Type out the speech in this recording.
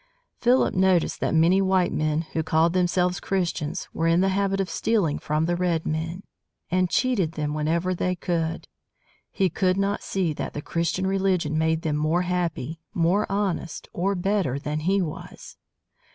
Philip noticed that many white men who called themselves Christians were in the habit of stealing from the red men, and cheating them whenever they could. He could not see that the Christian religion made them more happy, more honest, or better than he was.